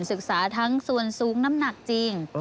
ศึกษาทั้งส่วนสูงน้ำหนักจริง